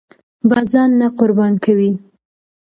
به ځان نه قرباني کوئ!